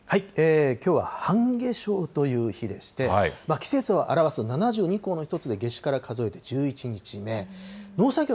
きょうは半夏生という日でして、季節を表す七十二侯の一つで夏至から数えて１１日目。